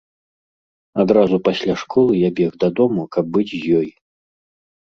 Адразу пасля школы я бег дадому, каб быць з ёй.